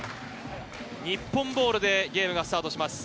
日本ボールでゲームがスタートします。